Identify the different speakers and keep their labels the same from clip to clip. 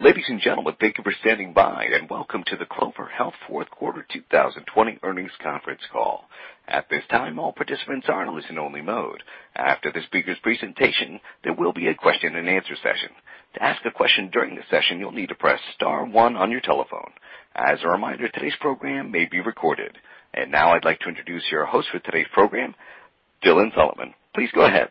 Speaker 1: Ladies and gentlemen, thank you for standing by. Welcome to the Clover Health fourth quarter 2020 earnings conference call. At this time, all participants are in listen only mode. After the speaker's presentation, there will be a question and answer session. To ask a question during the session, you'll need to press star one on your telephone. As a reminder, today's program may be recorded. Now I'd like to introduce your host for today's program, Dylan Sullivan. Please go ahead.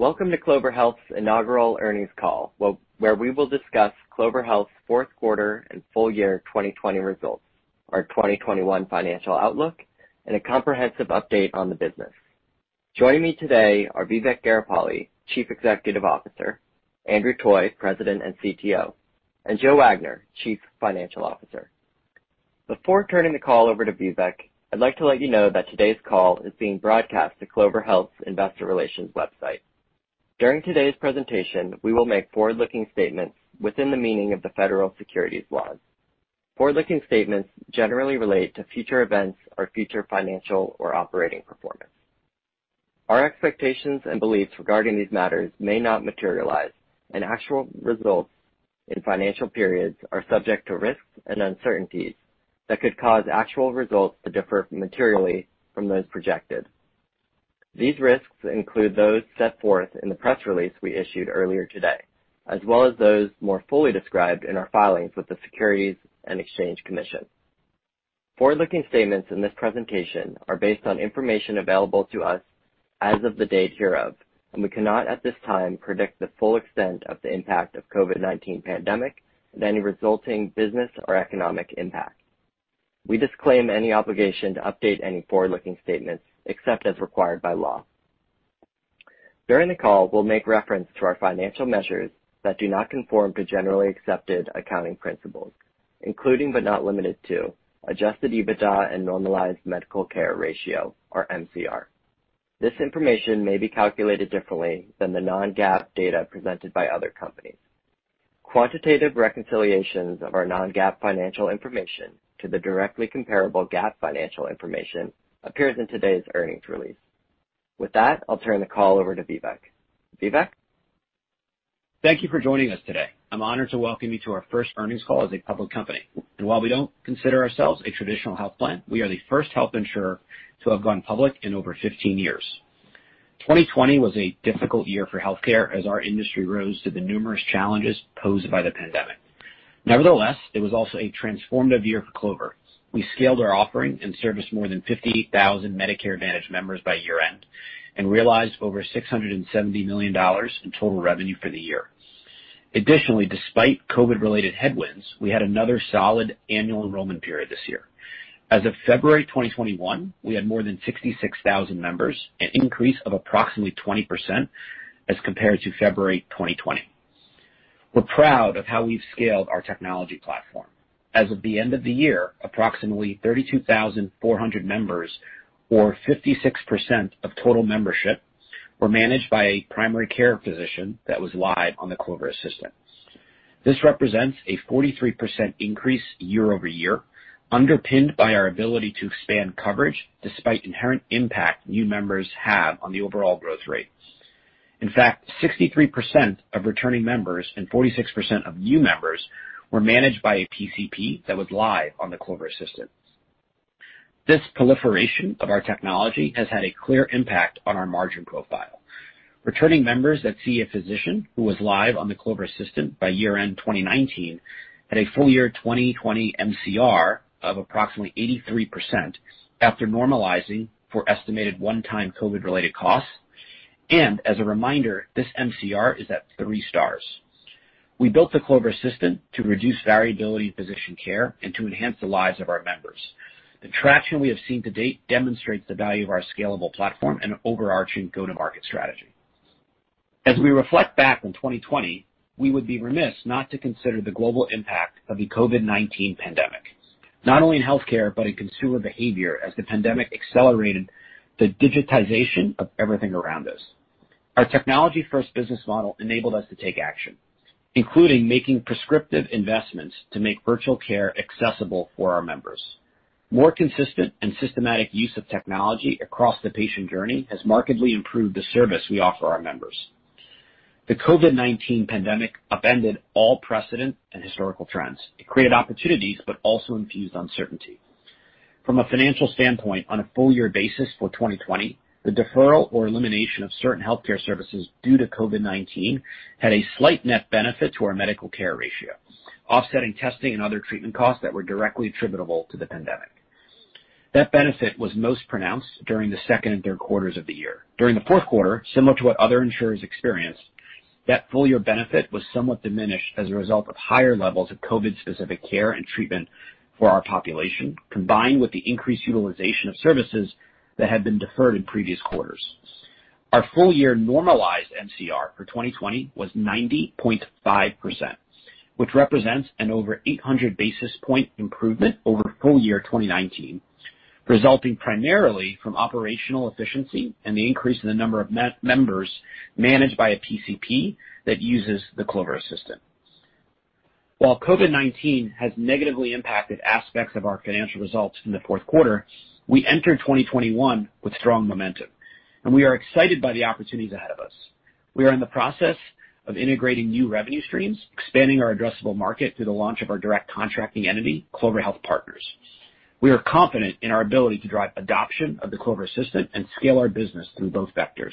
Speaker 2: Welcome to Clover Health's inaugural earnings call, where we will discuss Clover Health's fourth quarter and full year 2020 results, our 2021 financial outlook, and a comprehensive update on the business. Joining me today are Vivek Garipalli, Chief Executive Officer, Andrew Toy, President and CTO, and Joe Wagner, Chief Financial Officer. Before turning the call over to Vivek, I'd like to let you know that today's call is being broadcast to Clover Health's investor relations website. During today's presentation, we will make forward-looking statements within the meaning of the federal securities laws. Forward-looking statements generally relate to future events or future financial or operating performance. Our expectations and beliefs regarding these matters may not materialize, and actual results in financial periods are subject to risks and uncertainties that could cause actual results to differ materially from those projected. These risks include those set forth in the press release we issued earlier today, as well as those more fully described in our filings with the Securities and Exchange Commission. Forward-looking statements in this presentation are based on information available to us as of the date hereof, and we cannot, at this time, predict the full extent of the impact of COVID-19 pandemic and any resulting business or economic impact. We disclaim any obligation to update any forward-looking statements except as required by law. During the call, we'll make reference to our financial measures that do not conform to generally accepted accounting principles, including, but not limited to, adjusted EBITDA and normalized medical care ratio, or MCR. This information may be calculated differently than the non-GAAP data presented by other companies. Quantitative reconciliations of our non-GAAP financial information to the directly comparable GAAP financial information appears in today's earnings release. With that, I'll turn the call over to Vivek. Vivek?
Speaker 3: Thank you for joining us today. I'm honored to welcome you to our first earnings call as a public company. While we don't consider ourselves a traditional health plan, we are the first health insurer to have gone public in over 15 years. 2020 was a difficult year for healthcare as our industry rose to the numerous challenges posed by the pandemic. Nevertheless, it was also a transformative year for Clover. We scaled our offering and serviced more than 58,000 Medicare Advantage members by year-end and realized over $670 million in total revenue for the year. Additionally, despite COVID-related headwinds, we had another solid annual enrollment period this year. As of February 2021, we had more than 66,000 members, an increase of approximately 20% as compared to February 2020. We're proud of how we've scaled our technology platform. As of the end of the year, approximately 32,400 members, or 56% of total membership, were managed by a primary care physician that was live on the Clover Assistant. This represents a 43% increase year-over-year, underpinned by our ability to expand coverage despite inherent impact new members have on the overall growth rate. In fact, 63% of returning members and 46% of new members were managed by a PCP that was live on the Clover Assistant. This proliferation of our technology has had a clear impact on our margin profile. Returning members that see a physician who was live on the Clover Assistant by year-end 2019 had a full year 2020 MCR of approximately 83% after normalizing for estimated one-time COVID related costs. As a reminder, this MCR is at three stars. We built the Clover Assistant to reduce variability in physician care and to enhance the lives of our members. The traction we have seen to date demonstrates the value of our scalable platform and overarching go-to-market strategy. As we reflect back on 2020, we would be remiss not to consider the global impact of the COVID-19 pandemic, not only in healthcare, but in consumer behavior as the pandemic accelerated the digitization of everything around us. Our technology first business model enabled us to take action, including making prescriptive investments to make virtual care accessible for our members. More consistent and systematic use of technology across the patient journey has markedly improved the service we offer our members. The COVID-19 pandemic upended all precedent and historical trends. It created opportunities, but also infused uncertainty. From a financial standpoint, on a full year basis for 2020, the deferral or elimination of certain healthcare services due to COVID-19 had a slight net benefit to our medical care ratio, offsetting testing and other treatment costs that were directly attributable to the pandemic. That benefit was most pronounced during the second and third quarters of the year. During the fourth quarter, similar to what other insurers experienced, that full year benefit was somewhat diminished as a result of higher levels of COVID-specific care and treatment for our population, combined with the increased utilization of services that had been deferred in previous quarters. Our full year normalized MCR for 2020 was 90.5%. Which represents an over 800 basis point improvement over full year 2019, resulting primarily from operational efficiency and the increase in the number of members managed by a PCP that uses the Clover Assistant. While COVID-19 has negatively impacted aspects of our financial results in the fourth quarter, we entered 2021 with strong momentum, we are excited by the opportunities ahead of us. We are in the process of integrating new revenue streams, expanding our addressable market through the launch of our Direct Contracting entity, Clover Health Partners. We are confident in our ability to drive adoption of the Clover Assistant and scale our business through both vectors.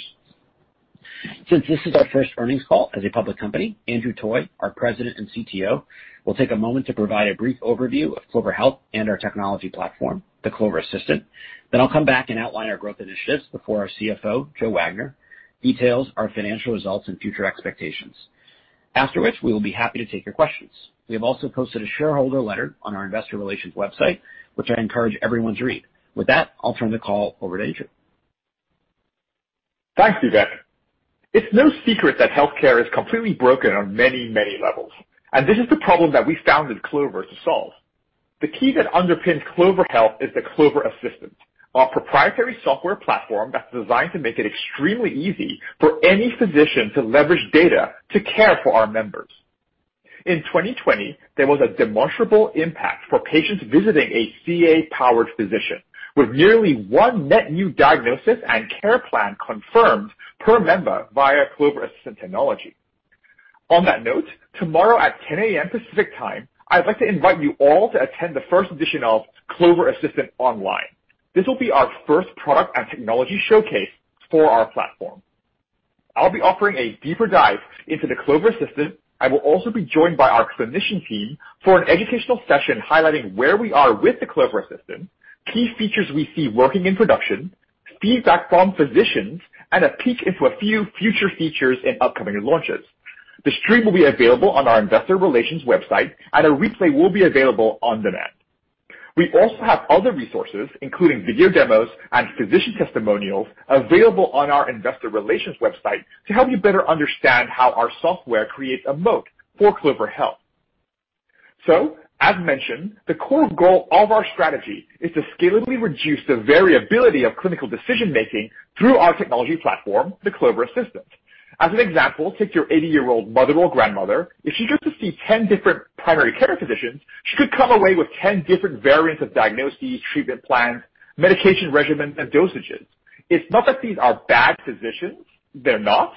Speaker 3: Since this is our first earnings call as a public company, Andrew Toy, our President and CTO, will take a moment to provide a brief overview of Clover Health and our technology platform, the Clover Assistant. I'll come back and outline our growth initiatives before our CFO, Joe Wagner, details our financial results and future expectations. Afterwards, we will be happy to take your questions. We have also posted a shareholder letter on our investor relations website, which I encourage everyone to read. With that, I'll turn the call over to Andrew.
Speaker 4: Thanks, Vivek. It's no secret that healthcare is completely broken on many, many levels. This is the problem that we founded Clover to solve. The key that underpins Clover Health is the Clover Assistant, our proprietary software platform that's designed to make it extremely easy for any physician to leverage data to care for our members. In 2020, there was a demonstrable impact for patients visiting a CA-powered physician, with nearly one net new diagnosis and care plan confirmed per member via Clover Assistant technology. On that note, tomorrow at 10:00 A.M. Pacific Time, I'd like to invite you all to attend the first edition of Clover Assistant Online. This will be our first product and technology showcase for our platform. I'll be offering a deeper dive into the Clover Assistant. I will also be joined by our clinician team for an educational session highlighting where we are with the Clover Assistant, key features we see working in production, feedback from physicians, and a peek into a few future features and upcoming launches. The stream will be available on our investor relations website, and a replay will be available on demand. We also have other resources, including video demos and physician testimonials, available on our investor relations website to help you better understand how our software creates a moat for Clover Health. As mentioned, the core goal of our strategy is to scalably reduce the variability of clinical decision-making through our technology platform, the Clover Assistant. As an example, take your 80-year-old mother or grandmother. If she goes to see 10 different primary care physicians, she could come away with 10 different variants of diagnoses, treatment plans, medication regimens, and dosages. It's not that these are bad physicians, they're not.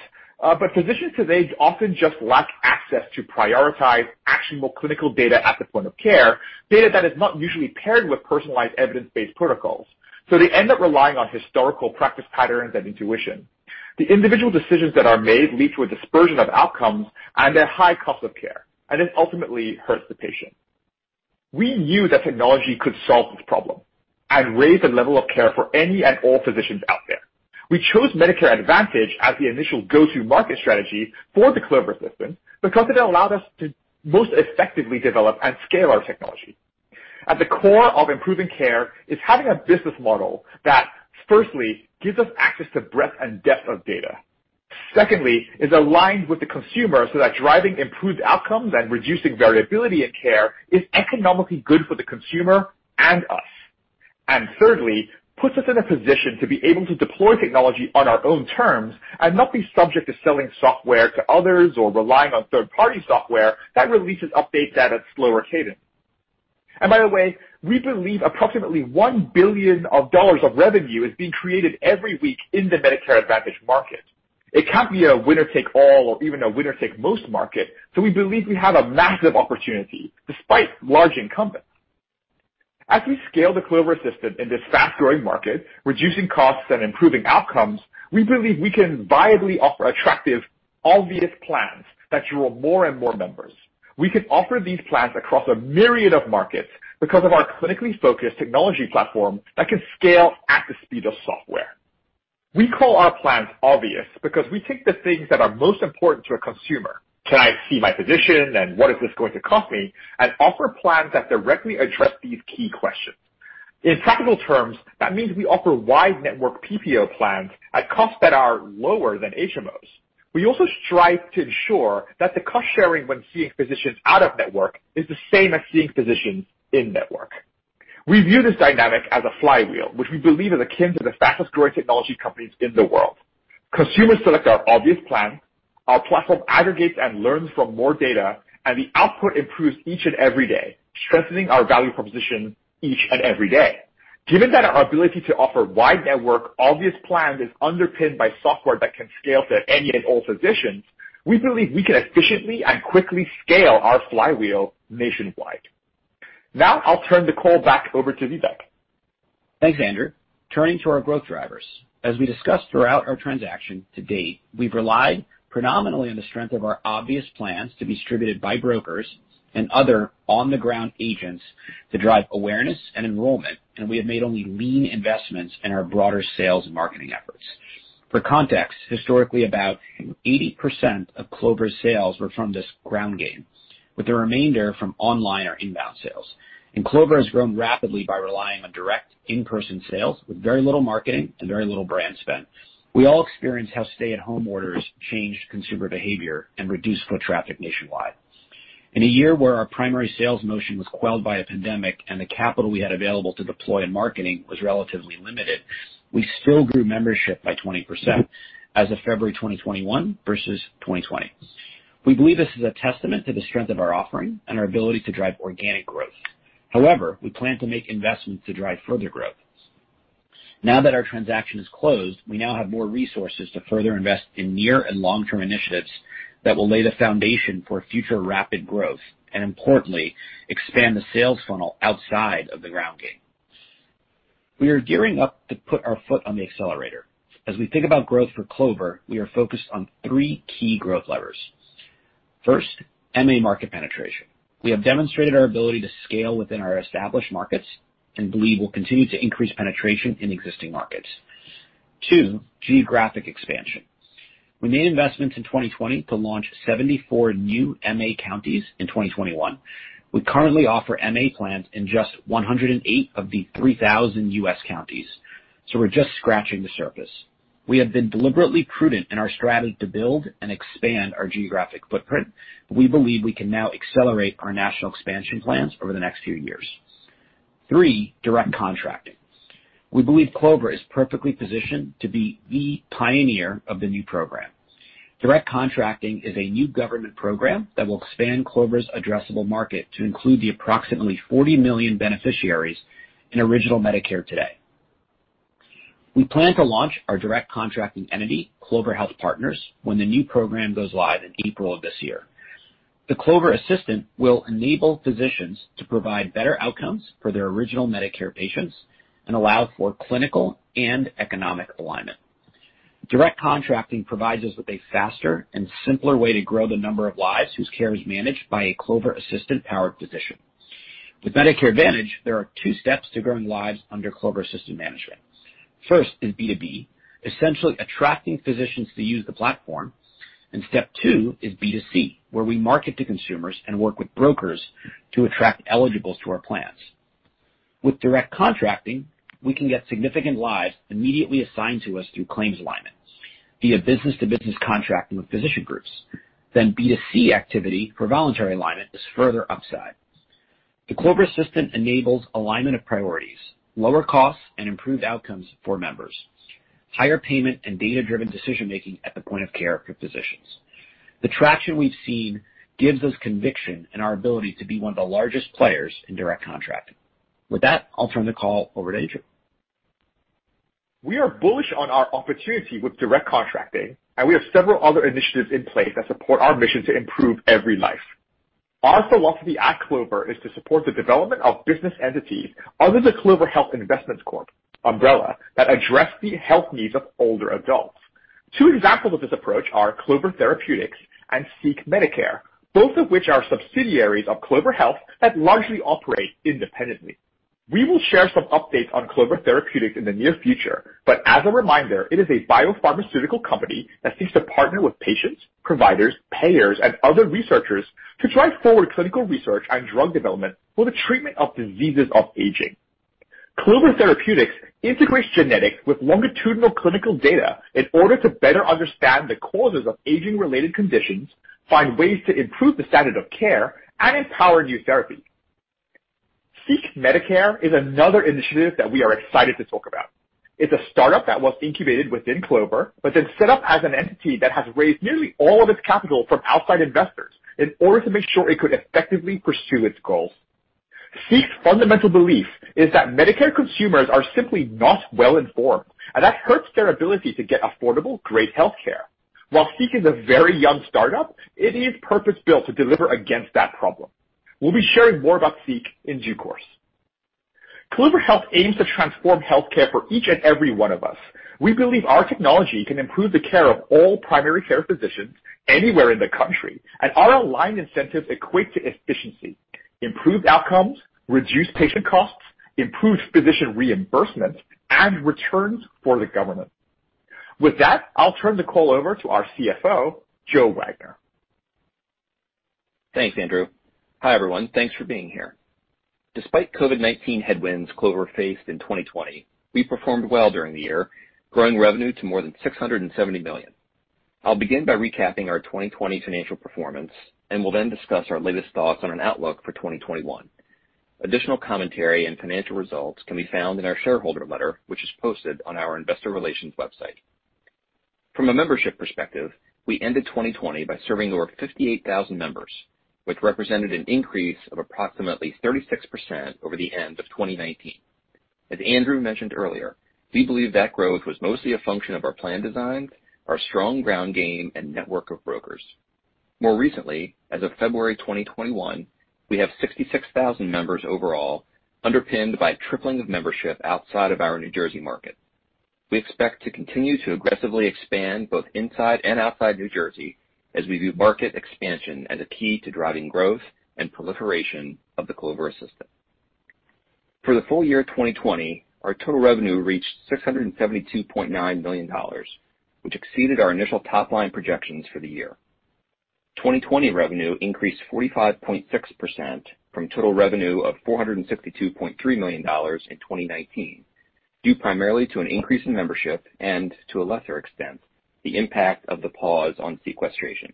Speaker 4: Physicians today often just lack access to prioritize actionable clinical data at the point of care, data that is not usually paired with personalized evidence-based protocols. They end up relying on historical practice patterns and intuition. The individual decisions that are made lead to a dispersion of outcomes and a high cost of care, and it ultimately hurts the patient. We knew that technology could solve this problem and raise the level of care for any and all physicians out there. We chose Medicare Advantage as the initial go-to-market strategy for the Clover Assistant because it allowed us to most effectively develop and scale our technology. At the core of improving care is having a business model that firstly gives us access to breadth and depth of data. Secondly, is aligned with the consumer so that driving improved outcomes and reducing variability in care is economically good for the consumer and us. Thirdly, puts us in a position to be able to deploy technology on our own terms and not be subject to selling software to others or relying on third-party software that releases updates at a slower cadence. By the way, we believe approximately $1 billion of revenue is being created every week in the Medicare Advantage market. It can't be a winner-take-all or even a winner-take-most market, so we believe we have a massive opportunity despite large incumbents. As we scale the Clover Assistant in this fast-growing market, reducing costs and improving outcomes, we believe we can viably offer attractive, obvious plans that draw more and more members. We can offer these plans across a myriad of markets because of our clinically focused technology platform that can scale at the speed of software. We call our plans obvious because we take the things that are most important to a consumer, Can I see my physician? And, What is this going to cost me? Offer plans that directly address these key questions. In practical terms, that means we offer wide network PPO plans at costs that are lower than HMOs. We also strive to ensure that the cost-sharing when seeing physicians out-of-network is the same as seeing physicians in-network. We view this dynamic as a flywheel, which we believe is akin to the fastest-growing technology companies in the world. Consumers select our obvious plan, our platform aggregates and learns from more data, and the output improves each and every day, strengthening our value proposition each and every day. Given that our ability to offer wide network obvious plans is underpinned by software that can scale to any and all physicians, we believe we can efficiently and quickly scale our flywheel nationwide. Now I'll turn the call back over to Vivek.
Speaker 3: Thanks, Andrew. Turning to our growth drivers. As we discussed throughout our transaction to date, we've relied predominantly on the strength of our MA plans to be distributed by brokers and other on-the-ground agents to drive awareness and enrollment, and we have made only lean investments in our broader sales and marketing efforts. For context, historically, about 80% of Clover's sales were from this ground game, with the remainder from online or inbound sales. Clover has grown rapidly by relying on direct in-person sales with very little marketing and very little brand spend. We all experienced how stay-at-home orders changed consumer behavior and reduced foot traffic nationwide. In a year where our primary sales motion was quelled by a pandemic and the capital we had available to deploy in marketing was relatively limited, we still grew membership by 20% as of February 2021 versus 2020. We believe this is a testament to the strength of our offering and our ability to drive organic growth. We plan to make investments to drive further growth. Now that our transaction is closed, we now have more resources to further invest in near and long-term initiatives that will lay the foundation for future rapid growth, and importantly, expand the sales funnel outside of the ground game. We are gearing up to put our foot on the accelerator. As we think about growth for Clover Health, we are focused on three key growth levers. First, MA market penetration. We have demonstrated our ability to scale within our established markets and believe we'll continue to increase penetration in existing markets. Two, geographic expansion. We made investments in 2020 to launch 74 new MA counties in 2021. We currently offer MA plans in just 108 of the 3,000 U.S. counties. We're just scratching the surface. We have been deliberately prudent in our strategy to build and expand our geographic footprint. We believe we can now accelerate our national expansion plans over the next few years. Three, Direct Contracting. We believe Clover is perfectly positioned to be the pioneer of the new program. Direct Contracting is a new government program that will expand Clover's addressable market to include the approximately 40 million beneficiaries in Original Medicare today. We plan to launch our Direct Contracting entity, Clover Health Partners, when the new program goes live in April of this year. The Clover Assistant will enable physicians to provide better outcomes for their Original Medicare patients and allow for clinical and economic alignment. Direct Contracting provides us with a faster and simpler way to grow the number of lives whose care is managed by a Clover Assistant-powered physician. With Medicare Advantage, there are two steps to growing lives under Clover Assistant management. First is B2B, essentially attracting physicians to use the platform. Step two is B2C, where we market to consumers and work with brokers to attract eligibles to our plans. With Direct Contracting, we can get significant lives immediately assigned to us through claims alignment via business-to-business contracting with physician groups. B2C activity for voluntary alignment is further upside. The Clover Assistant enables alignment of priorities, lower costs, and improved outcomes for members, higher payment and data-driven decision-making at the point of care for physicians. The traction we've seen gives us conviction in our ability to be one of the largest players in Direct Contracting. With that, I'll turn the call over to Andrew.
Speaker 4: We are bullish on our opportunity with Direct Contracting, and we have several other initiatives in place that support our mission to improve every life. Our philosophy at Clover is to support the development of business entities under the Clover Health Investments, Corp. umbrella that address the health needs of older adults. Two examples of this approach are Clover Therapeutics and Seek Medicare, both of which are subsidiaries of Clover Health that largely operate independently. We will share some updates on Clover Therapeutics in the near future, but as a reminder, it is a biopharmaceutical company that seeks to partner with patients, providers, payers, and other researchers to drive forward clinical research and drug development for the treatment of diseases of aging. Clover Therapeutics integrates genetics with longitudinal clinical data in order to better understand the causes of aging-related conditions, find ways to improve the standard of care, and empower new therapies. Seek Medicare is another initiative that we are excited to talk about. It's a startup that was incubated within Clover but then set up as an entity that has raised nearly all of its capital from outside investors in order to make sure it could effectively pursue its goals. Seek's fundamental belief is that Medicare consumers are simply not well-informed, and that hurts their ability to get affordable, great healthcare. While Seek is a very young startup, it is purpose-built to deliver against that problem. We'll be sharing more about Seek in due course. Clover Health aims to transform healthcare for each and every one of us. We believe our technology can improve the care of all primary care physicians anywhere in the country, and our aligned incentives equate to efficiency, improved outcomes, reduced patient costs, improved physician reimbursement, and returns for the government. With that, I'll turn the call over to our CFO, Joe Wagner.
Speaker 5: Thanks, Andrew. Hi, everyone. Thanks for being here. Despite COVID-19 headwinds Clover faced in 2020, we performed well during the year, growing revenue to more than $670 million. I'll begin by recapping our 2020 financial performance, and will then discuss our latest thoughts on an outlook for 2021. Additional commentary and financial results can be found in our shareholder letter, which is posted on our investor relations website. From a membership perspective, we ended 2020 by serving over 58,000 members, which represented an increase of approximately 36% over the end of 2019. As Andrew mentioned earlier, we believe that growth was mostly a function of our plan designs, our strong ground game, and network of brokers. More recently, as of February 2021, we have 66,000 members overall, underpinned by tripling of membership outside of our New Jersey market. We expect to continue to aggressively expand both inside and outside New Jersey as we view market expansion as a key to driving growth and proliferation of the Clover Assitant. For the full year 2020, our total revenue reached $672.9 million, which exceeded our initial top-line projections for the year. 2020 revenue increased 45.6% from total revenue of $462.3 million in 2019. Due primarily to an increase in membership and to a lesser extent, the impact of the pause on sequestration.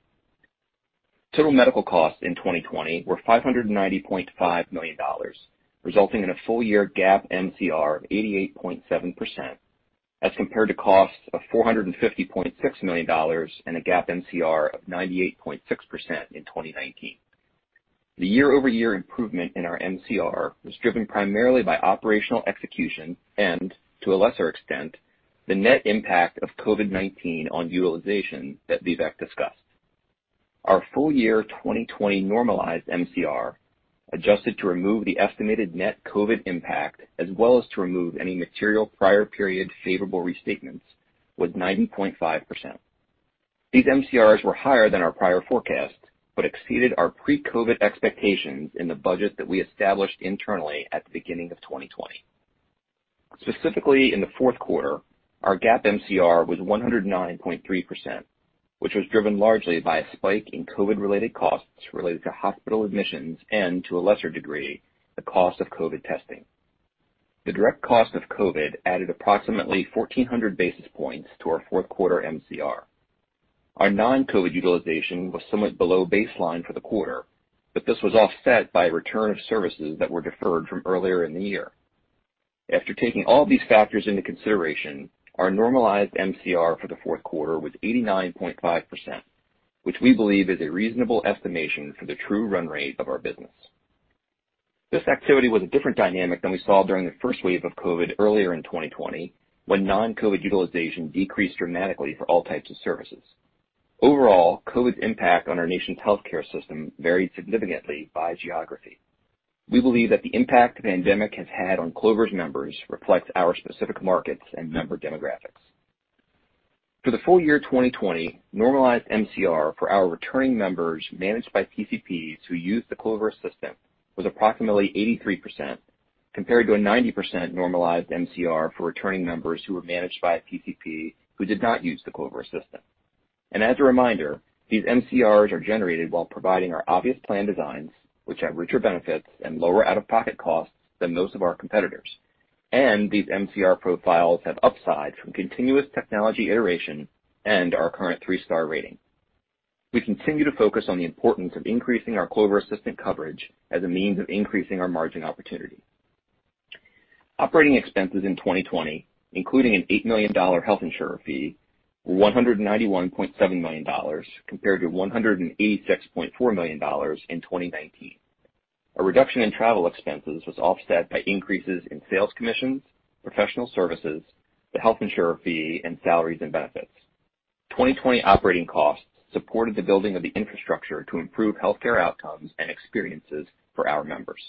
Speaker 5: Total medical costs in 2020 were $590.5 million, resulting in a full year GAAP MCR of 88.7%, as compared to costs of $450.6 million and a GAAP MCR of 98.6% in 2019. The year-over-year improvement in our MCR was driven primarily by operational execution and, to a lesser extent, the net impact of COVID-19 on utilization that Vivek discussed. Our full year 2020 normalized MCR, adjusted to remove the estimated net COVID-19 impact as well as to remove any material prior period favorable restatements, was 90.5%. These MCRs were higher than our prior forecast but exceeded our pre-COVID-19 expectations in the budget that we established internally at the beginning of 2020. Specifically, in the fourth quarter, our GAAP MCR was 109.3%, which was driven largely by a spike in COVID-related costs related to hospital admissions and, to a lesser degree, the cost of COVID testing. The direct cost of COVID added approximately 1,400 basis points to our fourth quarter MCR. Our non-COVID utilization was somewhat below baseline for the quarter, but this was offset by a return of services that were deferred from earlier in the year. After taking all these factors into consideration, our normalized MCR for the fourth quarter was 89.5%, which we believe is a reasonable estimation for the true run rate of our business. This activity was a different dynamic than we saw during the first wave of COVID earlier in 2020, when non-COVID utilization decreased dramatically for all types of services. Overall, COVID's impact on our nation's healthcare system varied significantly by geography. We believe that the impact the pandemic has had on Clover's members reflects our specific markets and member demographics. For the full year 2020, normalized MCR for our returning members managed by PCPs who used the Clover Assistant was approximately 83%, compared to a 90% normalized MCR for returning members who were managed by a PCP who did not use the Clover Assistant. As a reminder, these MCRs are generated while providing our obvious plan designs, which have richer benefits and lower out-of-pocket costs than most of our competitors. These MCR profiles have upsides from continuous technology iteration and our current 3-star rating. We continue to focus on the importance of increasing our Clover Assistant coverage as a means of increasing our margin opportunity. Operating expenses in 2020, including an $8 million health insurer fee, were $191.7 million compared to $186.4 million in 2019. A reduction in travel expenses was offset by increases in sales commissions, professional services, the health insurer fee, and salaries and benefits. 2020 operating costs supported the building of the infrastructure to improve healthcare outcomes and experiences for our members.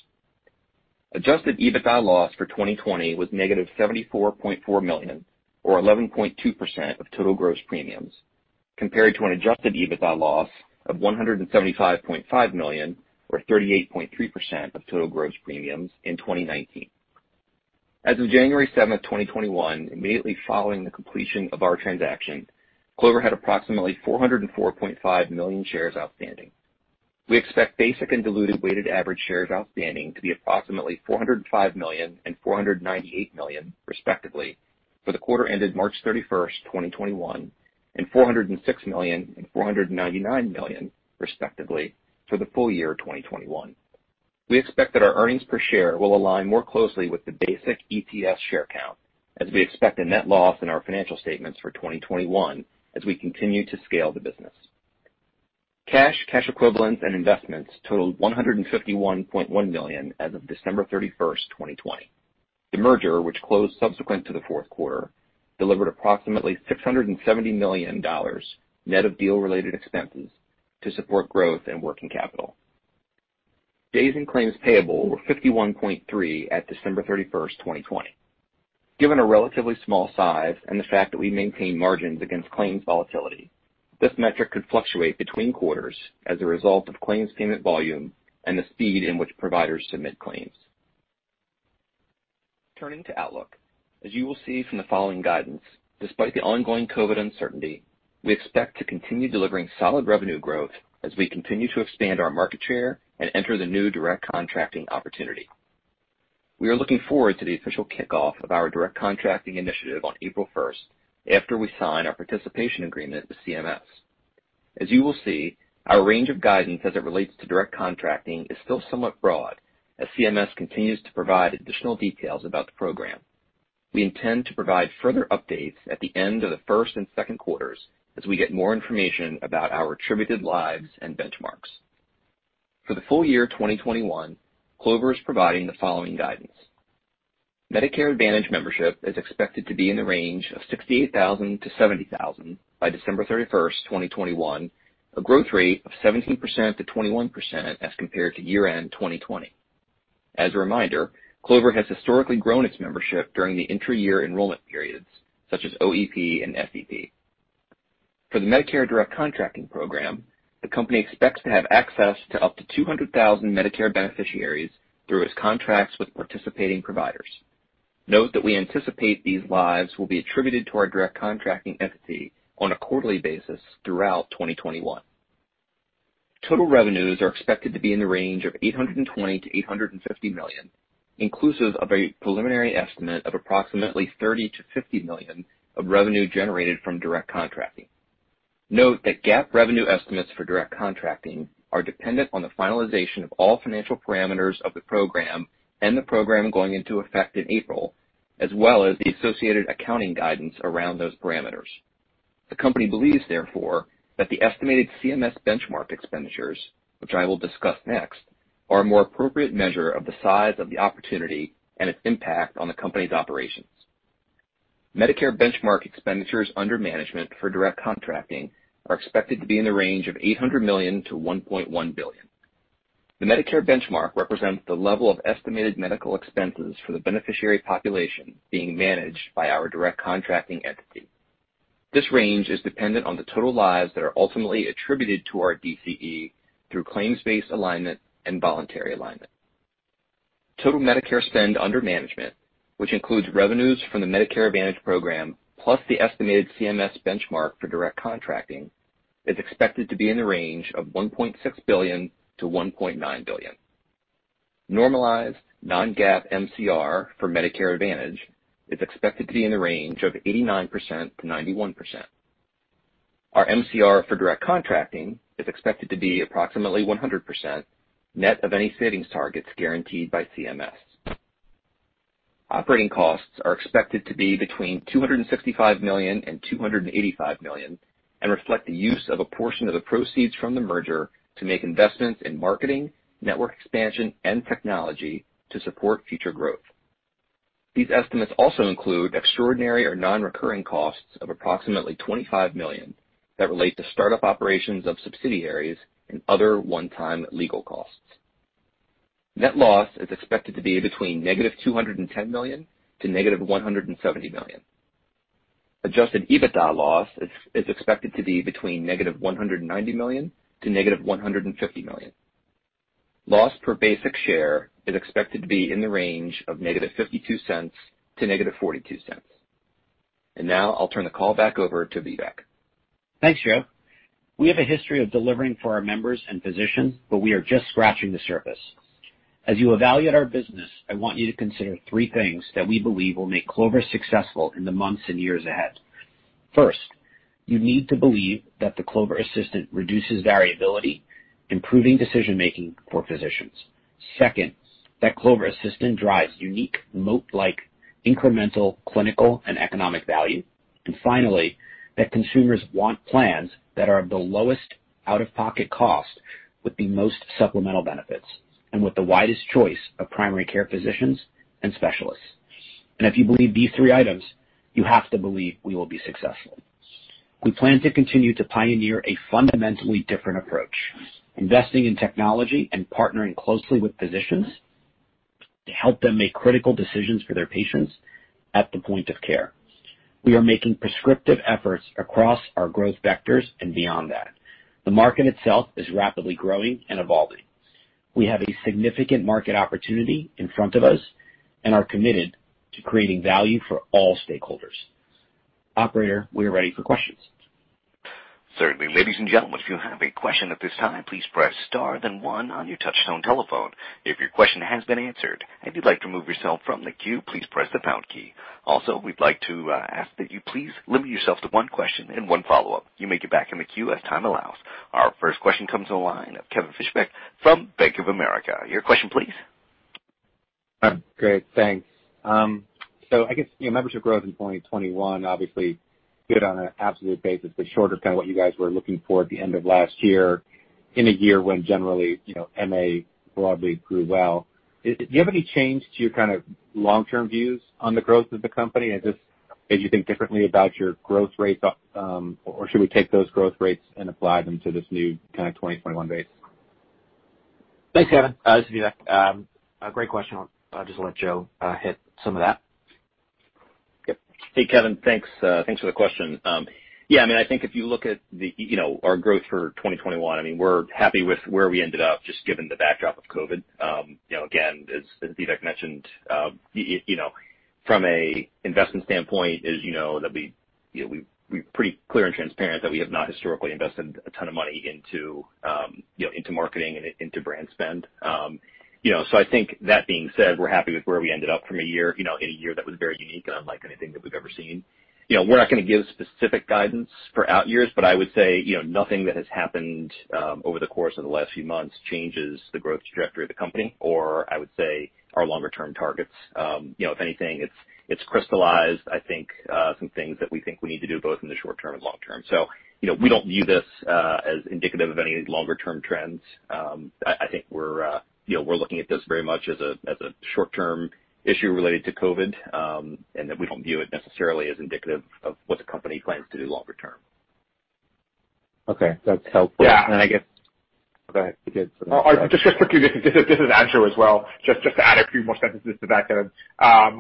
Speaker 5: Adjusted EBITDA loss for 2020 was -$74.4 million or 11.2% of total gross premiums, compared to an adjusted EBITDA loss of $175.5 million or 38.3% of total gross premiums in 2019. As of January 7th, 2021, immediately following the completion of our transaction, Clover had approximately 404.5 million shares outstanding. We expect basic and diluted weighted average shares outstanding to be approximately 405 million and 498 million, respectively, for the quarter ended March 31st, 2021, and 406 million and 499 million, respectively, for the full year 2021. We expect that our earnings per share will align more closely with the basic EPS share count as we expect a net loss in our financial statements for 2021 as we continue to scale the business. Cash, cash equivalents and investments totaled $151.1 million as of December 31st, 2020. The merger, which closed subsequent to the fourth quarter, delivered approximately $670 million net of deal-related expenses to support growth and working capital. Days in Claims Payable were 51.3 at December 31st, 2020. Given our relatively small size and the fact that we maintain margins against claims volatility, this metric could fluctuate between quarters as a result of claims payment volume and the speed in which providers submit claims. Turning to outlook. As you will see from the following guidance, despite the ongoing COVID uncertainty, we expect to continue delivering solid revenue growth as we continue to expand our market share and enter the new Direct Contracting opportunity. We are looking forward to the official kickoff of our Direct Contracting initiative on April 1st, after we sign our participation agreement with CMS. As you will see, our range of guidance as it relates to Direct Contracting is still somewhat broad as CMS continues to provide additional details about the program. We intend to provide further updates at the end of the first and second quarters as we get more information about our attributed lives and benchmarks. For the full year 2021, Clover is providing the following guidance. Medicare Advantage membership is expected to be in the range of 68,000-70,000 by December 31st, 2021, a growth rate of 17%-21% as compared to year-end 2020. As a reminder, Clover has historically grown its membership during the intra-year enrollment periods, such as OEP and SEP. For the Medicare Direct Contracting program, the company expects to have access to up to 200,000 Medicare beneficiaries through its contracts with participating providers. Note that we anticipate these lives will be attributed to our Direct Contracting entity on a quarterly basis throughout 2021. Total revenues are expected to be in the range of $820 million-$850 million, inclusive of a preliminary estimate of approximately $30 million-$50 million of revenue generated from Direct Contracting. Note that GAAP revenue estimates for Direct Contracting are dependent on the finalization of all financial parameters of the program and the program going into effect in April, as well as the associated accounting guidance around those parameters. The company believes, therefore, that the estimated CMS benchmark expenditures, which I will discuss next, are a more appropriate measure of the size of the opportunity and its impact on the company's operations. Medicare benchmark expenditures under management for Direct Contracting are expected to be in the range of $800 million-$1.1 billion. The Medicare benchmark represents the level of estimated medical expenses for the beneficiary population being managed by our Direct Contracting entity. This range is dependent on the total lives that are ultimately attributed to our DCE through claims-based alignment and voluntary alignment. Total Medicare spend under management, which includes revenues from the Medicare Advantage program plus the estimated CMS benchmark for Direct Contracting, is expected to be in the range of $1.6 billion-$1.9 billion. Normalized non-GAAP MCR for Medicare Advantage is expected to be in the range of 89%-91%. Our MCR for Direct Contracting is expected to be approximately 100% net of any savings targets guaranteed by CMS. Operating costs are expected to be between $265 million and $285 million and reflect the use of a portion of the proceeds from the merger to make investments in marketing, network expansion, and technology to support future growth. These estimates also include extraordinary or non-recurring costs of approximately $25 million that relate to startup operations of subsidiaries and other one-time legal costs. Net loss is expected to be between -$210 million to -$170 million. Adjusted EBITDA loss is expected to be between -$190 million to -$150 million. Loss per basic share is expected to be in the range of -$0.52 to -$0.42. Now I'll turn the call back over to Vivek.
Speaker 3: Thanks, Joe. We have a history of delivering for our members and physicians, we are just scratching the surface. As you evaluate our business, I want you to consider three things that we believe will make Clover successful in the months and years ahead. First, you need to believe that the Clover Assistant reduces variability, improving decision-making for physicians. Second, that Clover Assistant drives unique, moat-like incremental clinical and economic value. Finally, that consumers want plans that are of the lowest out-of-pocket cost with the most supplemental benefits and with the widest choice of primary care physicians and specialists. If you believe these three items, you have to believe we will be successful. We plan to continue to pioneer a fundamentally different approach, investing in technology and partnering closely with physicians to help them make critical decisions for their patients at the point of care. We are making prescriptive efforts across our growth vectors and beyond that. The market itself is rapidly growing and evolving. We have a significant market opportunity in front of us and are committed to creating value for all stakeholders. Operator, we are ready for questions.
Speaker 1: Certainly. Ladies and gentlemen, if you have a question at this time, please press star then one on your touchtone telephone. If your question has been answered and you'd like to remove yourself from the queue, please press the pound key. We'd like to ask that you please limit yourself to one question and one follow-up. You may get back in the queue as time allows. Our first question comes on the line of Kevin Fischbeck from Bank of America. Your question please.
Speaker 6: Great. Thanks. I guess, membership growth in 2021 obviously good on an absolute basis, but short of kind of what you guys were looking for at the end of last year in a year when generally, MA broadly grew well. Do you have any change to your kind of long-term views on the growth of the company? Just, maybe you think differently about your growth rates, or should we take those growth rates and apply them to this new kind of 2021 base?
Speaker 3: Thanks, Kevin. This is Vivek. Great question. I'll just let Joe hit some of that.
Speaker 5: Yep. Hey, Kevin. Thanks for the question. Yeah, I think if you look at our growth for 2021, we're happy with where we ended up, just given the backdrop of COVID. Again, as Vivek mentioned, from an investment standpoint, as you know, we're pretty clear and transparent that we have not historically invested a ton of money into marketing and into brand spend. I think that being said, we're happy with where we ended up from a year, in a year that was very unique and unlike anything that we've ever seen. We're not going to give specific guidance for out years, I would say, nothing that has happened over the course of the last few months changes the growth trajectory of the company, or I would say our longer-term targets. If anything, it's crystallized, I think, some things that we think we need to do both in the short term and long term. We don't view this as indicative of any longer-term trends. I think we're looking at this very much as a short-term issue related to COVID, and that we don't view it necessarily as indicative of what the company plans to do longer term.
Speaker 6: Okay, that's helpful.
Speaker 4: Yeah.
Speaker 6: I guess go ahead.
Speaker 4: Just quickly, this is Andrew as well, just to add a few more sentences to that, Kevin. I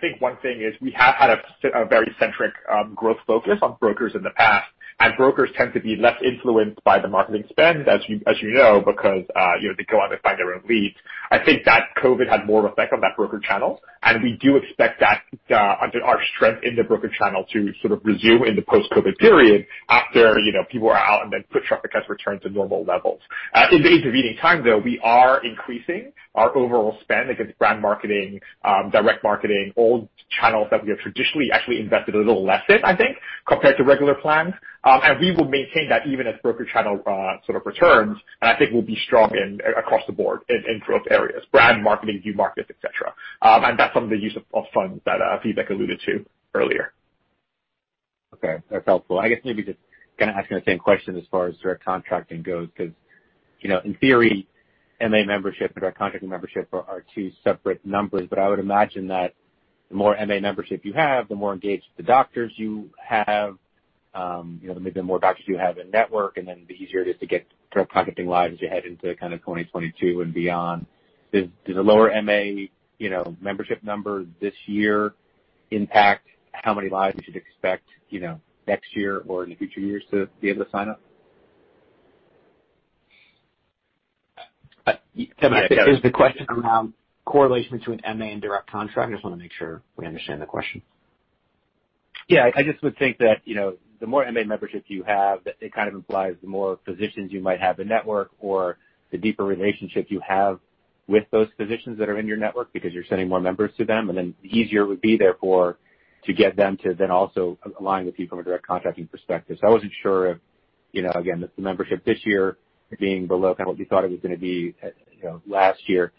Speaker 4: think one thing is we have had a very centric growth focus on brokers in the past, and brokers tend to be less influenced by the marketing spend, as you know, because they go out and find their own leads. I think that COVID had more effect on that broker channel, and we do expect our strength in the broker channel to sort of resume in the post-COVID period after people are out and then foot traffic has returned to normal levels. In the intervening time, though, we are increasing our overall spend against brand marketing, direct marketing, all channels that we have traditionally actually invested a little less in, I think, compared to regular plans. We will maintain that even as broker channel sort of returns, and I think we'll be strong across the board in growth areas, brand marketing, view markets, et cetera. That's from the use of funds that Vivek alluded to earlier.
Speaker 6: Okay, that's helpful. I guess maybe just kind of asking the same question as far as Direct Contracting goes, because, in theory, MA membership, Direct Contracting membership are two separate numbers. I would imagine that the more MA membership you have, the more engaged the doctors you have, maybe the more doctors you have in-network, and then the easier it is to get Direct Contracting lives as you head into kind of 2022 and beyond. Does the lower MA membership number this year impact how many lives we should expect next year or in the future years to be able to sign up?
Speaker 3: Kevin, is the question around correlation between MA and direct contract? I just want to make sure we understand the question.
Speaker 6: Yeah, I just would think that, the more MA membership you have, it kind of implies the more physicians you might have in-network or the deeper relationship you have with those physicians that are in your network because you're sending more members to them, and then the easier it would be, therefore, to get them to then also align with you from a Direct Contracting perspective. I wasn't sure if, again, if the membership this year being below kind of what you thought it was going to be last year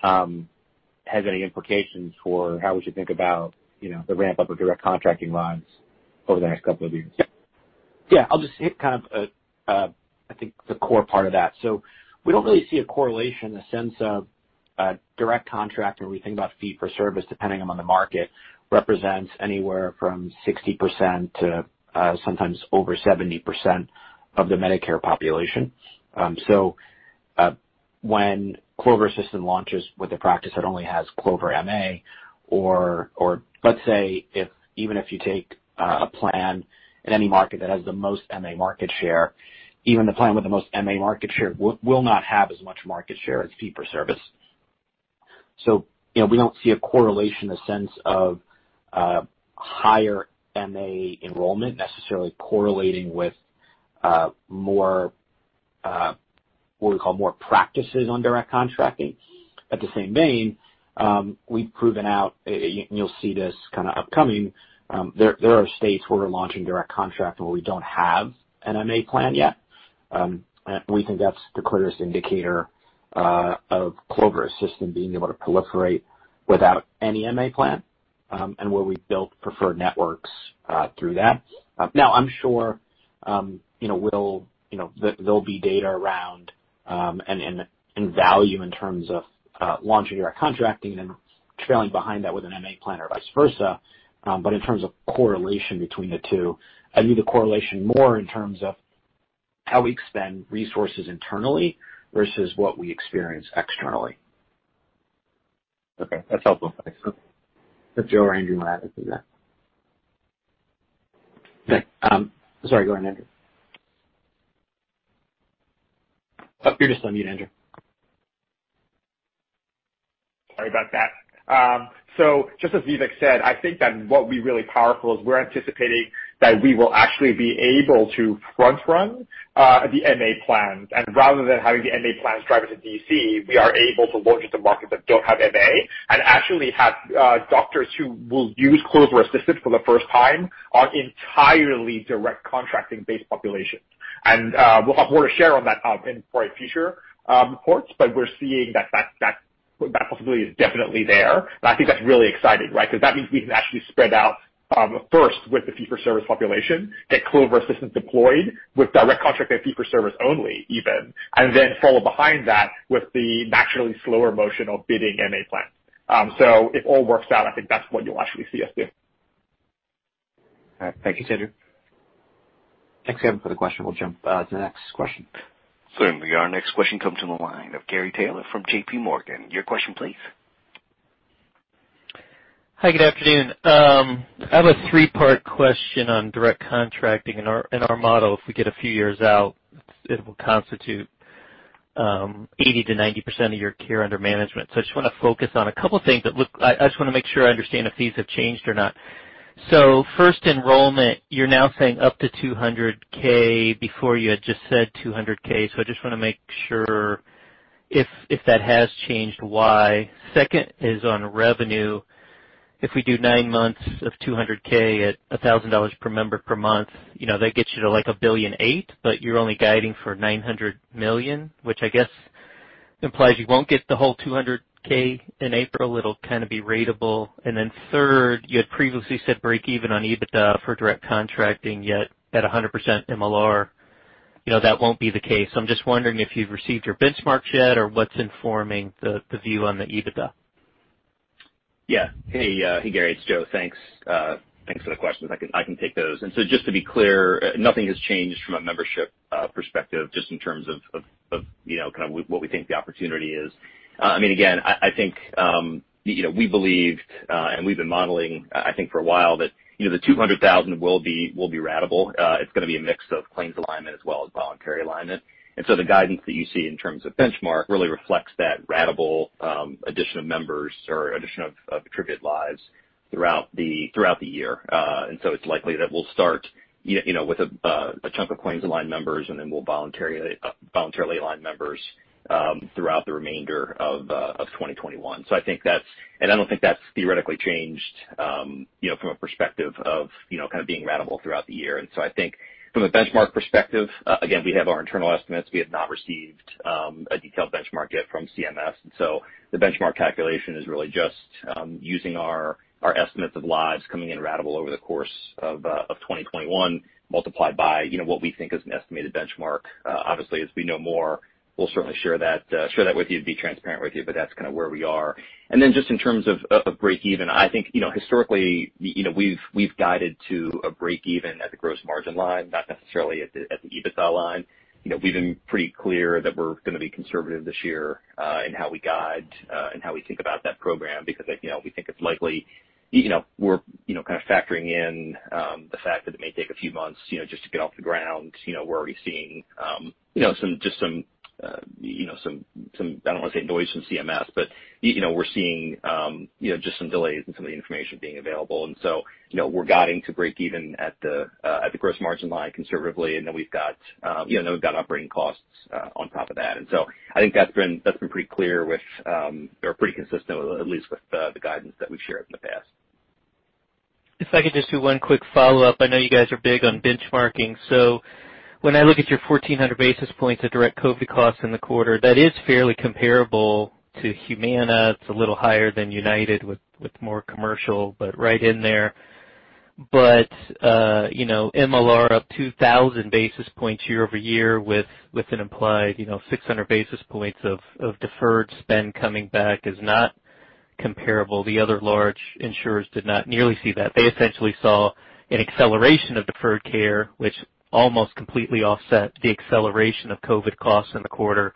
Speaker 6: has any implications for how we should think about the ramp-up of Direct Contracting lives over the next couple of years.
Speaker 3: Yeah. I'll just hit kind of, I think, the core part of that. We don't really see a correlation in the sense of a Direct Contracting when we think about fee for service, depending upon the market, represents anywhere from 60% to sometimes over 70% of the Medicare population. When Clover Assistant launches with a practice that only has Clover MA or, let's say, even if you take a plan in any market that has the most MA market share, even the plan with the most MA market share will not have as much market share as fee for service. We don't see a correlation a sense of higher MA enrollment necessarily correlating with what we call more practices on Direct Contracting. At the same vein, we've proven out, and you'll see this kind of upcoming, there are states where we're launching Direct Contracting and where we don't have an MA plan yet. We think that's the clearest indicator of Clover Assistant being able to proliferate without any MA plan, and where we've built preferred networks through that. I'm sure there'll be data around and value in terms of launching Direct Contracting and then trailing behind that with an MA plan or vice versa. In terms of correlation between the two, I view the correlation more in terms of how we expend resources internally versus what we experience externally.
Speaker 6: Okay, that's helpful. Thanks.
Speaker 3: That's Joe or Andrew might have to do that. Sorry, go ahead, Andrew. Oh, you're still on mute, Andrew.
Speaker 4: Sorry about that. Just as Vivek said, I think that what will be really powerful is we're anticipating that we will actually be able to front run the MA plans. Rather than having the MA plans drive us to DC, we are able to launch into markets that don't have MA and actually have doctors who will use Clover Assistant for the first time on entirely Direct Contracting based populations. We'll share on that in future reports, but we're seeing that possibility is definitely there, and I think that's really exciting, right? That means we can actually spread out first with the fee for service population, get Clover Assistant deployed with direct contract at fee for service only even, and then follow behind that with the naturally slower motion of bidding MA plans. If it all works out, I think that's what you'll actually see us doing.
Speaker 6: All right. Thank you, Andrew.
Speaker 3: Thanks, Kevin, for the question. We'll jump to the next question.
Speaker 1: Certainly. Our next question comes from the line of Gary Taylor from JPMorgan. Your question, please.
Speaker 7: Hi, good afternoon. I have a three-part question on Direct Contracting and our model. If we get a few years out, it will constitute 80%-90% of your care under management. I just want to focus on a couple of things, but I just want to make sure I understand if these have changed or not. First enrollment, you're now saying up to 200K. Before you had just said 200K, I just want to make sure if that has changed, why. Second is on revenue. If we do nine months of 200K at $1,000 per member per month, that gets you to like $1.8 billion. You're only guiding for $900 million, which I guess implies you won't get the whole 200K in April. It'll kind of be ratable. Then third, you had previously said break even on EBITDA for Direct Contracting, yet at 100% MLR, that won't be the case. So I'm just wondering if you've received your benchmarks yet or what's informing the view on the EBITDA?
Speaker 5: Hey, Gary, it's Joe. Thanks for the questions. I can take those. Just to be clear, nothing has changed from a membership perspective, just in terms of what we think the opportunity is. I think we believe, and we've been modeling, I think for a while, that the 200,000 will be ratable. It's going to be a mix of claims alignment as well as voluntary alignment. The guidance that you see in terms of benchmark really reflects that ratable addition of members or addition of attributed lives throughout the year. It's likely that we'll start with a chunk of claims align members, and then we'll voluntarily align members throughout the remainder of 2021. I don't think that's theoretically changed from a perspective of being ratable throughout the year. I think from a benchmark perspective, again, we have our internal estimates. We have not received a detailed benchmark yet from CMS, the benchmark calculation is really just using our estimates of lives coming in ratable over the course of 2021, multiplied by what we think is an estimated benchmark. Obviously, as we know more, we'll certainly share that with you, to be transparent with you, that's kind of where we are. Just in terms of breakeven, I think historically, we've guided to a breakeven at the gross margin line, not necessarily at the EBITDA line. We've been pretty clear that we're going to be conservative this year in how we guide and how we think about that program, because we're kind of factoring in the fact that it may take a few months just to get off the ground. We're already seeing just some, I don't want to say noise from CMS, but we're seeing just some delays in some of the information being available. We're guiding to breakeven at the gross margin line conservatively. Then we've got operating costs on top of that. I think that's been pretty clear with or pretty consistent, at least with the guidance that we've shared in the past.
Speaker 7: If I could just do one quick follow-up. I know you guys are big on benchmarking, when I look at your 1,400 basis points of direct COVID costs in the quarter, that is fairly comparable to Humana. It's a little higher than United with more commercial, right in there. MLR up 2,000 basis points year-over-year with an implied 600 basis points of deferred spend coming back is not comparable. The other large insurers did not nearly see that. They essentially saw an acceleration of deferred care, which almost completely offset the acceleration of COVID costs in the quarter.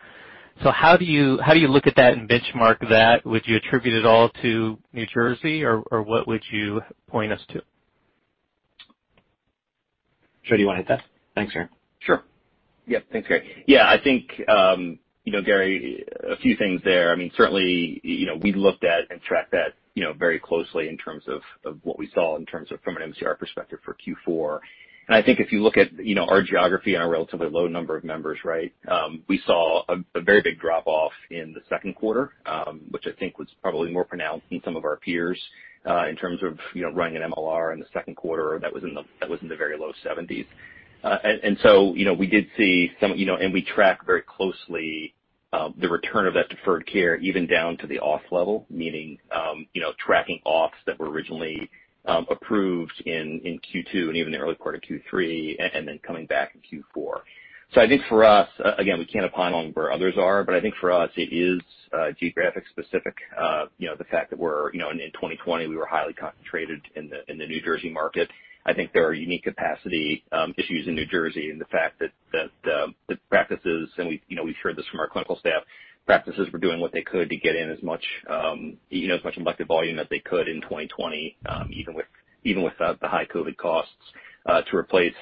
Speaker 7: How do you look at that and benchmark that? Would you attribute it all to New Jersey, or what would you point us to?
Speaker 3: Joe, do you want to hit that? Thanks, Gary.
Speaker 5: Sure. Yep. Thanks, Gary. I think Gary, a few things there. We looked at and tracked that very closely in terms of what we saw in terms of from an MCR perspective for Q4. I think if you look at our geography and our relatively low number of members, right? We saw a very big drop-off in the second quarter, which I think was probably more pronounced in some of our peers, in terms of running an MLR in the second quarter that was in the very low 70s. We track very closely the return of that deferred care, even down to the auth level, meaning, tracking auths that were originally approved in Q2 and even the early quarter Q3, and then coming back in Q4. I think for us, again, we can't opine on where others are, but I think for us, it is geographic specific. The fact that in 2020, we were highly concentrated in the New Jersey market. I think there are unique capacity issues in New Jersey, and the fact that practices, and we've heard this from our clinical staff, practices were doing what they could to get in as much elective volume that they could in 2020, even with the high COVID costs, to replace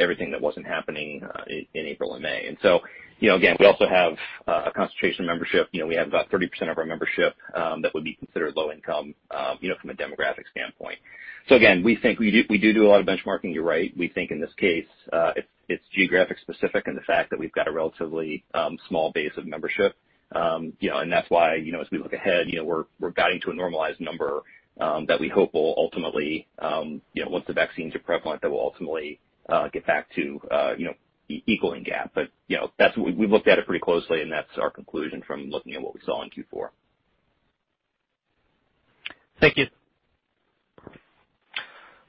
Speaker 5: everything that wasn't happening in April and May. Again, we also have a concentration membership. We have about 30% of our membership that would be considered low income from a demographic standpoint. Again, we do a lot of benchmarking, you're right. We think in this case, it's geographic specific, and the fact that we've got a relatively small base of membership. That's why as we look ahead, we're guiding to a normalized number that we hope will ultimately, once the vaccines are prevalent, that we'll ultimately get back to equaling GAAP. We looked at it pretty closely, and that's our conclusion from looking at what we saw in Q4.
Speaker 7: Thank you.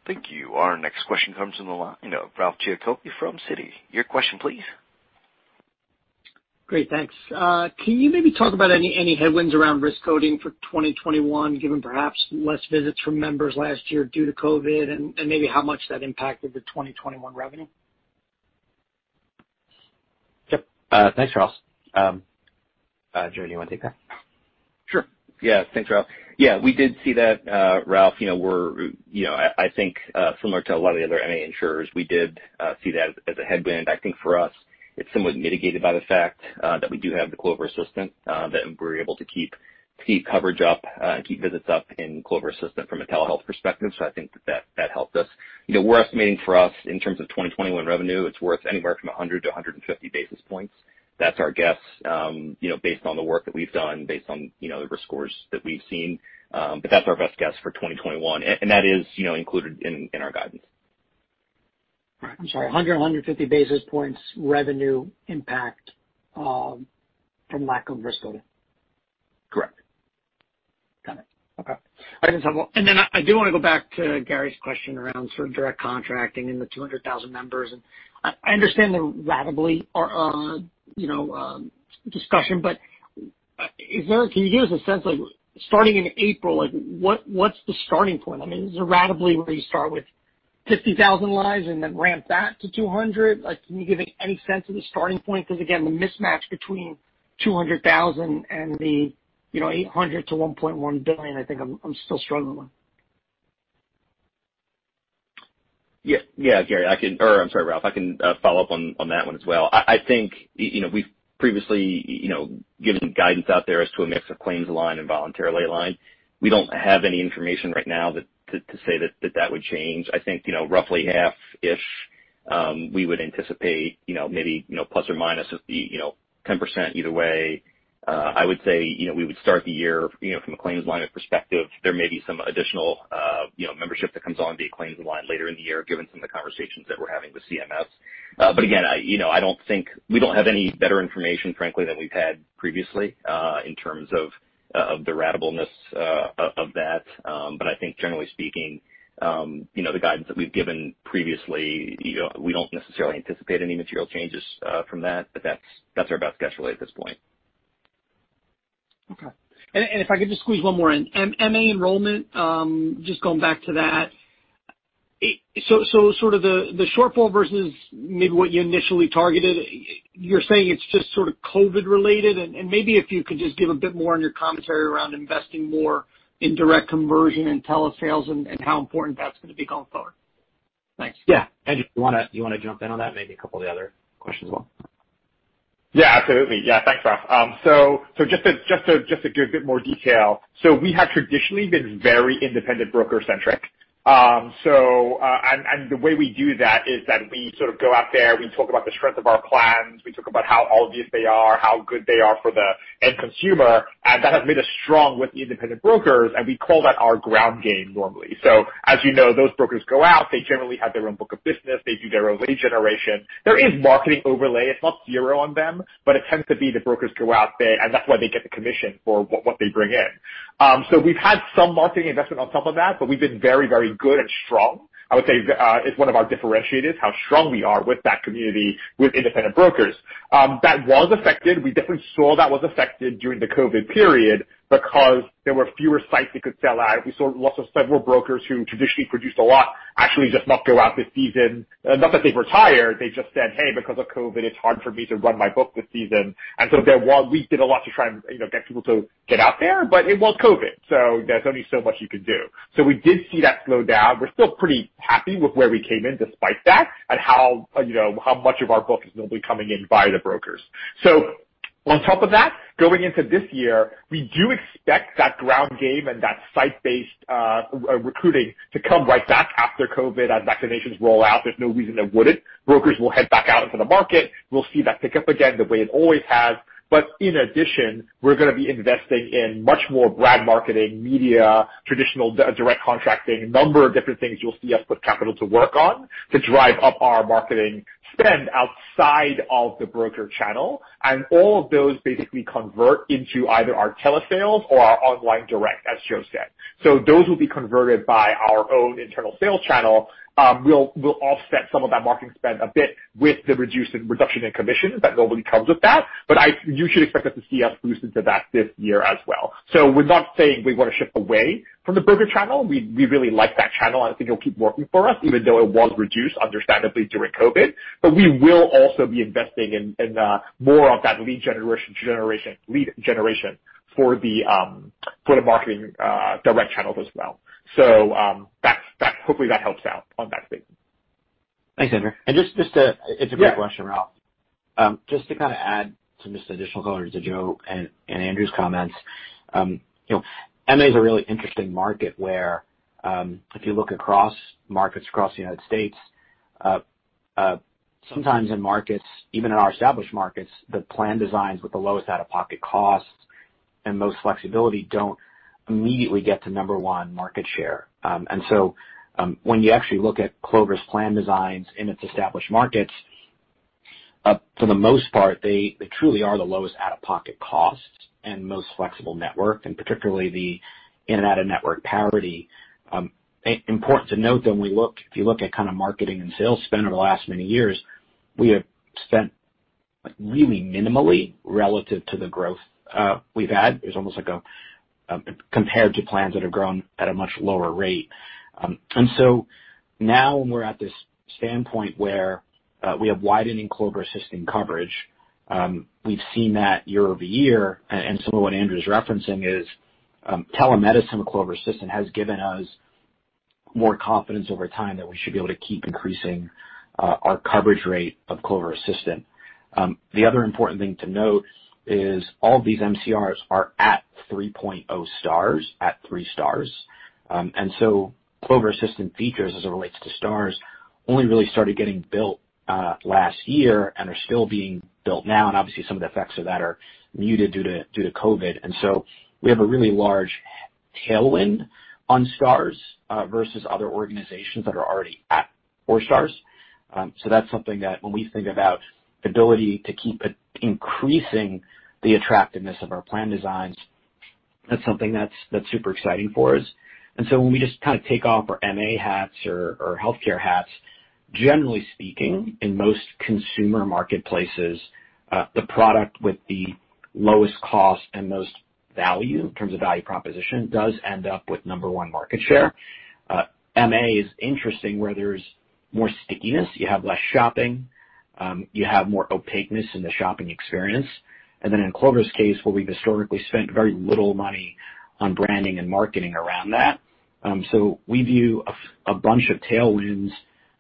Speaker 1: Thank you. Our next question comes from the line of Ralph Giacobbe from Citi. Your question, please.
Speaker 8: Great, thanks. Can you maybe talk about any headwinds around risk coding for 2021, given perhaps less visits from members last year due to COVID, and maybe how much that impacted the 2021 revenue?
Speaker 3: Yep. Thanks, Ralph. Joe, do you want to take that?
Speaker 5: Sure. Yeah. Thanks, Ralph. Yeah, we did see that, Ralph. I think similar to a lot of the other MA insurers, we did see that as a headwind. I think for us, it's somewhat mitigated by the fact that we do have the Clover Assistant, that we're able to keep coverage up and keep visits up in Clover Assistant from a telehealth perspective. I think that helped us. We're estimating for us, in terms of 2021 revenue, it's worth anywhere from 100 basis points - 150 basis points. That's our guess based on the work that we've done, based on the risk scores that we've seen. That's our best guess for 2021, and that is included in our guidance.
Speaker 8: I'm sorry, 100, 150 basis points revenue impact from lack of risk coding.
Speaker 5: Correct.
Speaker 8: Got it. Okay. I do want to go back to Gary's question around sort of Direct Contracting and the 200,000 members. I understand the ratably discussion. Is there, can you give us a sense, like starting in April, what's the starting point? I mean, is it ratably where you start with 50,000 lives and then ramp that to 200? Like, can you give any sense of the starting point? Because again, the mismatch between 200,000 and the $800 million-$1.1 billion, I think I'm still struggling with.
Speaker 5: Yeah. Gary, I can Or I'm sorry, Ralph, I can follow up on that one as well. I think we've previously given guidance out there as to a mix of claims-aligned and voluntarily-aligned. We don't have any information right now to say that that would change. I think, roughly half-ish, we would anticipate maybe, plus or minus of the 10% either way. I would say we would start the year, from a claims-aligned perspective, there may be some additional membership that comes on via claims-aligned later in the year, given some of the conversations that we're having with CMS. Again, I don't think we don't have any better information, frankly, than we've had previously, in terms of the ratableness of that. I think generally speaking, the guidance that we've given previously, we don't necessarily anticipate any material changes from that. That's our best guess really, at this point.
Speaker 8: Okay. If I could just squeeze one more in. MA enrollment, just going back to that, sort of the shortfall versus maybe what you initially targeted, you're saying it's just sort of COVID related? Maybe if you could just give a bit more on your commentary around investing more in direct conversion and telesales and how important that's going to be going forward. Thanks.
Speaker 3: Yeah. Andrew, do you want to jump in on that and maybe a couple of the other questions as well?
Speaker 4: Yeah, absolutely. Yeah, thanks, Ralph. Just to give a bit more detail. We have traditionally been very independent broker-centric. The way we do that is that we sort of go out there, we talk about the strength of our plans, we talk about how good they are for the end consumer, and that has made us strong with independent brokers, and we call that our ground game normally. As you know, those brokers go out, they generally have their own book of business, they do their own lead generation. There is marketing overlay. It's not zero on them, but it tends to be the brokers go out there, and that's why they get the commission for what they bring in. We've had some marketing investment on top of that, but we've been very good and strong. I would say, it's one of our differentiators, how strong we are with that community, with independent brokers. That was affected. We definitely saw that was affected during the COVID period because there were fewer sites they could sell at. We saw lots of several brokers who traditionally produced a lot actually just not go out this season. Not that they retired, they just said, Hey, because of COVID, it's hard for me to run my book this season. There while we did a lot to try and get people to get out there, but it was COVID, so there's only so much you could do. We did see that slow down. We're still pretty happy with where we came in despite that and how much of our book is normally coming in by the brokers. On top of that, going into this year, we do expect that ground game and that site-based recruiting to come right back after COVID as vaccinations roll out. There's no reason it wouldn't. Brokers will head back out into the market. We'll see that pick up again the way it always has. In addition, we're going to be investing in much more brand marketing, media, traditional Direct Contracting, a number of different things you'll see us put capital to work on to drive up our marketing spend outside of the broker channel. All of those basically convert into either our telesales or our online direct, as Joe said. Those will be converted by our own internal sales channel. We'll offset some of that marketing spend a bit with the reduction in commissions that normally comes with that. You should expect us to see us boost into that this year as well. We're not saying we want to shift away from the broker channel. We really like that channel, and I think it'll keep working for us, even though it was reduced, understandably, during COVID. We will also be investing in more of that lead generation for the marketing direct channels as well. Hopefully that helps out on that statement.
Speaker 3: Thanks, Andrew. It's a great question, Ralph. Just to kind of add some just additional color to Joe and Andrew's comments. MA is a really interesting market where, if you look across markets across the United States, sometimes in markets, even in our established markets, the plan designs with the lowest out-of-pocket costs and most flexibility don't immediately get to number one market share. So, when you actually look at Clover's plan designs in its established markets, for the most part, they truly are the lowest out-of-pocket costs and most flexible network, and particularly the in and out-of-network parity. Important to note, though, if you look at kind of marketing and sales spend over the last many years, we have spent really minimally relative to the growth we've had. It's almost like compared to plans that have grown at a much lower rate. Now when we're at this standpoint where we have widening Clover Assistant coverage, we've seen that year-over-year, and some of what Andrew's referencing is, telemedicine with Clover Assistant has given us more confidence over time that we should be able to keep increasing our coverage rate of Clover Assistant. The other important thing to note is all of these MCRs are at 3.0 Stars, at 3 Stars. Clover Assistant features, as it relates to Stars, only really started getting built last year and are still being built now, and obviously some of the effects of that are muted due to COVID. We have a really large tailwind on Stars versus other organizations that are already at 4 Stars. That's something that when we think about ability to keep increasing the attractiveness of our plan designs- That's something that's super exciting for us. When we just take off our MA hats or healthcare hats, generally speaking, in most consumer marketplaces, the product with the lowest cost and most value in terms of value proposition does end up with number one market share. MA is interesting where there's more stickiness, you have less shopping, you have more opaqueness in the shopping experience. In Clover's case, where we've historically spent very little money on branding and marketing around that. We view a bunch of tailwinds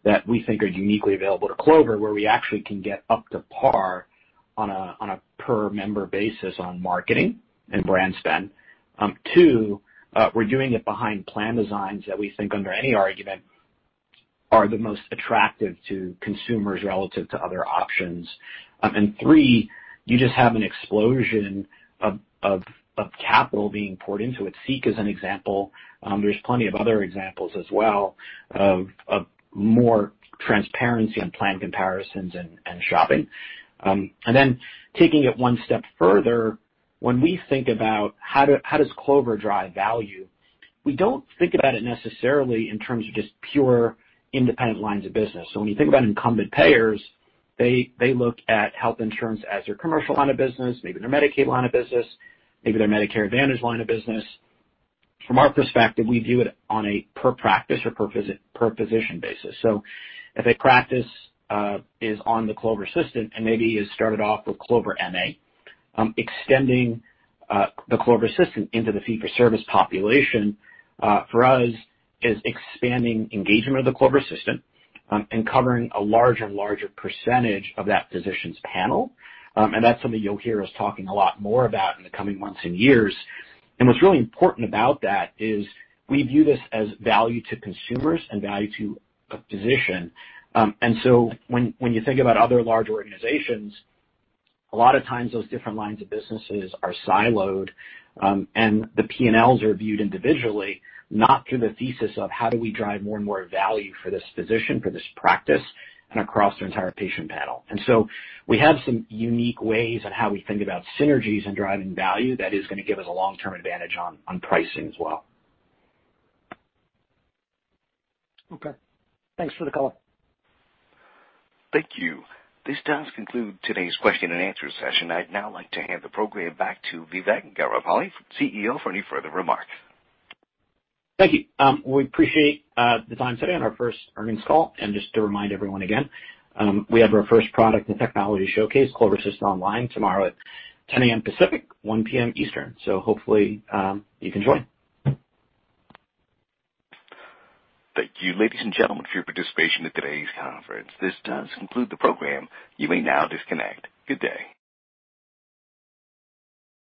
Speaker 3: that we think are uniquely available to Clover, where we actually can get up to par on a per member basis on marketing and brand spend. Two, we're doing it behind plan designs that we think under any argument are the most attractive to consumers relative to other options. Three, you just have an explosion of capital being poured into it. Seek is an example. There's plenty of other examples as well of more transparency on plan comparisons and shopping. Then taking it one step further, when we think about how does Clover drive value, we don't think about it necessarily in terms of just pure independent lines of business. When you think about incumbent payers, they look at health insurance as their commercial line of business, maybe their Medicaid line of business, maybe their Medicare Advantage line of business. From our perspective, we view it on a per practice or per physician basis. If a practice is on the Clover system and maybe has started off with Clover MA, extending the Clover system into the fee for service population for us is expanding engagement of the Clover system and covering a larger and larger percentage of that physician's panel. That's something you'll hear us talking a lot more about in the coming months and years. What's really important about that is we view this as value to consumers and value to a physician. When you think about other large organizations, a lot of times those different lines of businesses are siloed, and the P&Ls are viewed individually, not through the thesis of how do we drive more and more value for this physician, for this practice, and across their entire patient panel. We have some unique ways on how we think about synergies and driving value that is going to give us a long-term advantage on pricing as well.
Speaker 8: Okay. Thanks for the color.
Speaker 1: Thank you. This does conclude today's question and answer session. I'd now like to hand the program back to Vivek Garipalli, CEO, for any further remarks.
Speaker 3: Thank you. We appreciate the time today on our first earnings call. Just to remind everyone again, we have our first product and technology showcase, Clover Assistant Online, tomorrow at 10:00 A.M. Pacific, 1:00 P.M. Eastern. Hopefully, you can join.
Speaker 1: Thank you, ladies and gentlemen, for your participation in today's conference. This does conclude the program. You may now disconnect. Good day.